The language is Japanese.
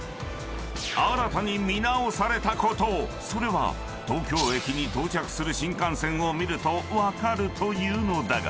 ［新たに見直されたことそれは東京駅に到着する新幹線を見ると分かるというのだが］